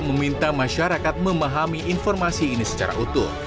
meminta masyarakat memahami informasi ini secara utuh